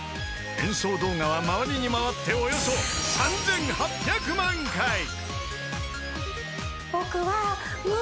［演奏動画は回りに回っておよそ３，８００万回］